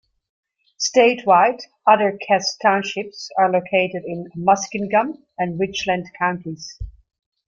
Statewide, other Cass Townships are located in Muskingum and Richland counties.